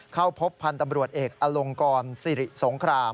เข้าพบพันธ์ตำรวจเอกอลงกรสิริสงคราม